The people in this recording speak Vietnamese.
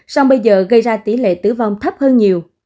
song bây giờ gây ra tỷ lệ tử vong thấp hơn nhiều